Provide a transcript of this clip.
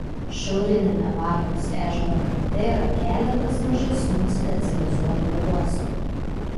Šiauriniame Varnos ežero krante yra keletas mažesnių specializuotų uostų.